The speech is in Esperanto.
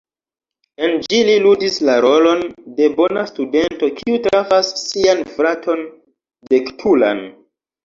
En ĝi li ludis la rolon de bona studento kiu trafas sian fraton deliktulan.